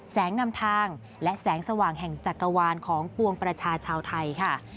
นำทางและแสงสว่างแห่งจักรวาลของปวงประชาชาวไทยค่ะ